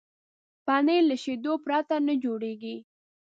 پنېر له شيدو پرته نه جوړېږي.